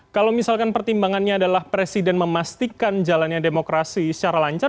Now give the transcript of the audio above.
kalau misalkan pertimbangannya adalah presiden memastikan jalannya demokrasi secara lancar